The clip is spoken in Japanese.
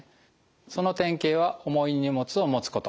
その典型は重い荷物を持つこと。